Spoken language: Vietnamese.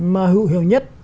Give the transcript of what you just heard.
mà hữu hiệu nhất